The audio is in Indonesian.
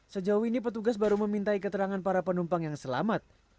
sejauh ini petugas baru memintai keterangan para penumpang yang selamat